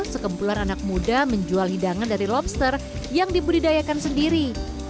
sekempulan anak muda menjual hidangan dari lobster yang dibudidayakan sendiri